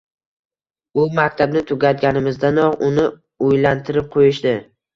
U maktabni tugatganimizdanoq, uni uylantirib qoʻyishdi.